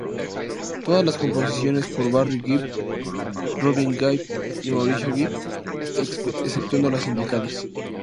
Todas las composiciones por Barry Gibb, Robin Gibb y Maurice Gibb exceptuando las indicadas.